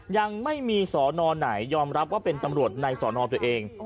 ยังไม่มีสอนอไหนยอมรับว่าเป็นตำรวจในสอนอตัวเอง